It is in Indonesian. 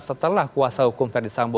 setelah kuasa hukum verdi sambo